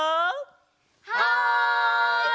はい！